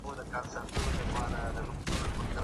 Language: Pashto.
خوشحالي د روح سکون ته وایي.